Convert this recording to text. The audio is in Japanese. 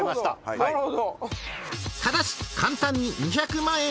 なるほど。